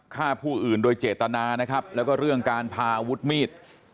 ฆ่าผู้อื่นโดยเจตนานะครับแล้วก็เรื่องการพาอาวุธมีด